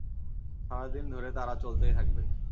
সারাদিন ধরে তারা চলতেই থাকবে।